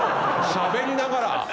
しゃべりながら。